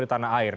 di tanah air